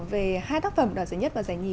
về hai tác phẩm đoạt giải nhất và giải nhì